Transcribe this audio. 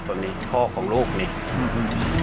ภารกิจสรรค์ภารกิจสรรค์